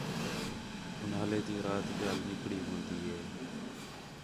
اُنہالے تی رات ٻِیال نِکڑی ہون٘دی ہِے